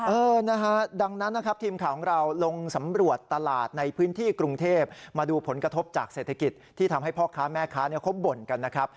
เออนะฮะดังนั้นนะครับทีมข่าวของเราลงสำรวจตลาดในพื้นที่กรุงเทพมาดูผลกระทบจากเศรษฐกิจที่ทำให้พ่อค้าแม่ค้าเขาบ่นกันนะครับ